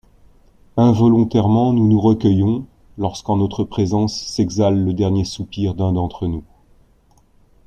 Involontairement nous nous recueillons, lorsqu'en notre présence s'exhale le dernier soupir d'un d'entre nous.